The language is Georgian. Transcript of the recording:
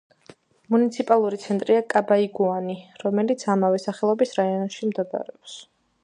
მუნიციპალური ცენტრია კაბაიგუანი, რომელიც ამავე სახელობის რაიონში მდებარეობს.